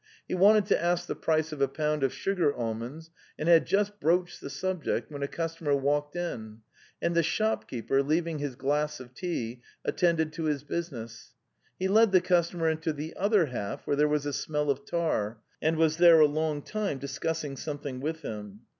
He wanted to ask the price of a pound of sugar almonds, and had just broached the subject when a customer walked in, and the shopkeeper, leaving his glass of tea, at tended to his business. He led the customer into the other half, where there was a smell of tar, and was there a long time discussing something with him.